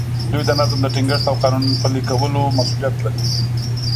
دوی د نظم د ټینګښت او قانون پلي کولو مسوولیت لري.